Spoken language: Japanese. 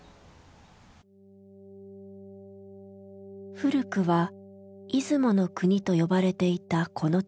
古くは出雲の国と呼ばれていたこの土地。